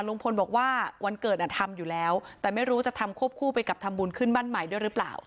ลุงพลบอกว่าวันเกิดทำอยู่แล้วแต่ไม่รู้จะทำควบคู่ไปกับทำบุญขึ้นบ้านใหม่ด้วยหรือเปล่า